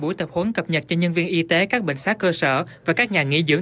buổi tập huấn cập nhật cho nhân viên y tế các bệnh xá cơ sở và các nhà nghỉ dưỡng